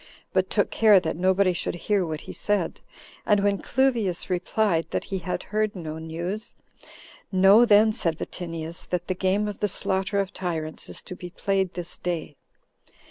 but took care that nobody should hear what he said; and when Cluvius replied, that he had heard no news, "Know then," said Vatinius, "that the game of the slaughter of tyrants is to be played this day."